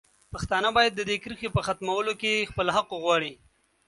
پښتانه باید د دې کرښې په ختمولو کې خپل حق وغواړي.